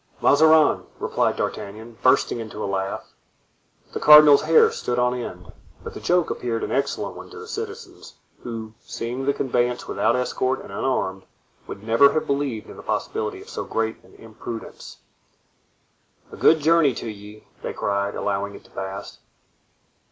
"Mazarin!" replied D'Artagnan, bursting into a laugh. The cardinal's hair stood on end. But the joke appeared an excellent one to the citizens, who, seeing the conveyance without escort and unarmed, would never have believed in the possibility of so great an imprudence. "A good journey to ye," they cried, allowing it to pass.